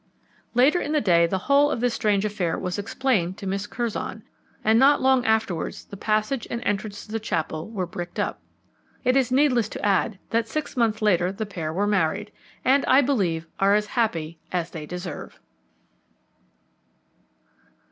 Later in the day the whole of this strange affair was explained to Miss Curzon, and not long afterwards the passage and entrance to the chapel were bricked up. It is needless to add that six months later the pair were married, and, I believe, are as happy as they deserve.